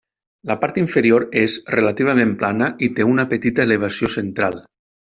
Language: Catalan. La part inferior és relativament plana i té una petita elevació central.